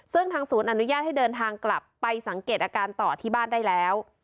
ซึ่งทางศูนย์อนุญาตให้เดินทางกลับไปสังเกตอาการต่อที่บ้านได้แล้ว